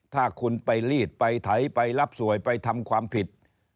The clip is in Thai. ถ้าคุณไปลีดไปไถไปรับสวยไปทำความผิด